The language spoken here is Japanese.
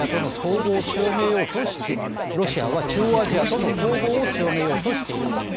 ロシアは中央アジアとの統合を強めようとしています。